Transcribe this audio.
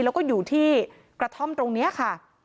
แล้วก็อยู่ที่กระท่อมตรงนี้ค่ะ